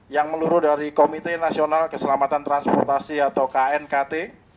yang meluruh dari komite nasional keselamatan transportasi atau knkt